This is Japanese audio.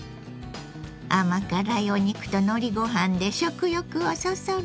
甘辛いお肉とのりご飯で食欲をそそるわ。